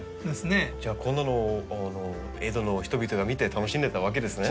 じゃあこんなのを江戸の人々が見て楽しんでたわけですね。